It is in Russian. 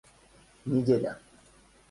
Неделя